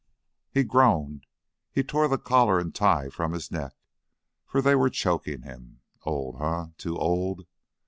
He groaned; he tore the collar and the tie from his neck, for they were choking him. Old, eh? Too old!